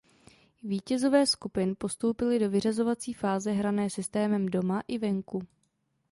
Vítězové skupin postoupili do vyřazovací fáze hrané systémem doma a venku.